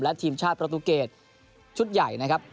และทีมชาติประตูเกตชุดใหญ่นะครับ